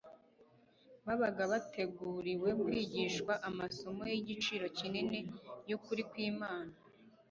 babaga bateguriwe kwigishwa amasomo y'igiciro kinini y'ukuri kw'Imana.